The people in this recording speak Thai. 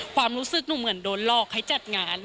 ความรู้สึกหนูเหมือนโดนหลอกให้จัดงาน